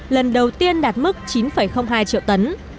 lần đầu tiên đạt mức chín hai triệu tấn